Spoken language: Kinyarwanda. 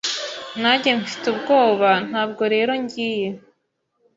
Nanjye mfite ubwoba, ntabwo rero ngiye.